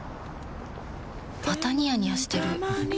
またニヤニヤしてるふふ。